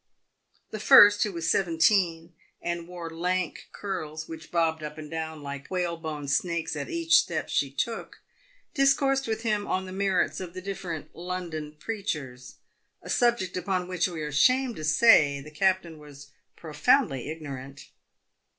The first, who was seventeen, and wore lank curls, which bobbed up and down like whalebone snakes at each step she took, discoursed with him on the merits of the different London preachers — a subject upon which we are ashamed to say the captain was profoundly ignorant.